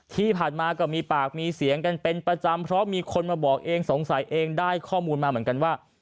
ที่ผ่านมาก็มีปากมีเสียงกันเป็นประจำเพราะมีคนมาบอกเองสงสัยเองได้ข้อมูลมาเหมือนกันว่า